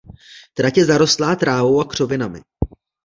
Trať je zarostlá trávou a křovinami.